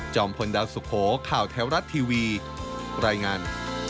จอมพลดับสุโขข่าวแท้วรัฐทีวีรายงาน